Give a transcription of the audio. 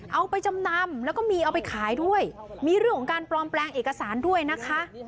เอาไปจำนำแล้วก็มีเอาไปขายด้วยมีเรื่องของการปลอมแปลงเอกสารด้วยนะคะ